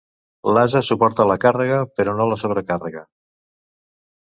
L'ase suporta la càrrega, però no la sobrecàrrega.